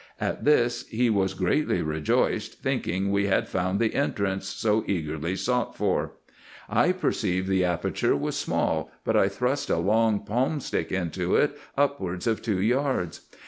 At this he was greatly rejoiced, thinking we had IN EGYPT, NUBIA, £cc. 263 found the entrance so eagerly sought for. I perceived the aperture was small, but I thrust a long palm stick into it upwards of two yards.